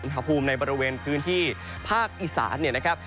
มหภูมิในบริเวณพื้นที่ภาคอิศาสตร์นะครับ